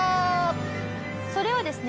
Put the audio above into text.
それはですね